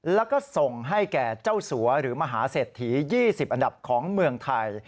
แล้วก็ส่งให้แก่เจ้าสัวหรือมหาเศรษฐี๒๐อันดับของเมืองไทย